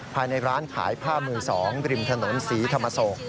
ภายในร้านขายผ้ามือ๒ริมถนนศรีธรรมโศก